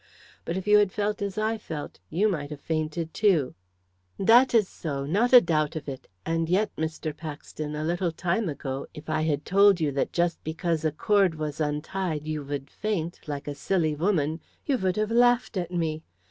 But if you had felt as I felt you might have fainted too." "That is so not a doubt of it. And yet, Mr. Paxton, a little time ago, if I had told you that just because a cord was untied you would faint, like a silly woman, you would have laughed at me.